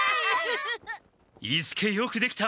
伊助よくできた！